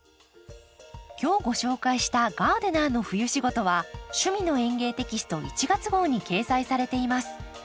今日ご紹介した「ガーデナーの冬仕事」は「趣味の園芸」テキスト１月号に掲載されています。